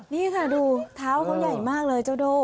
นี่ค่ะดูเท้าเขาใหญ่มากเลยเจ้าโด่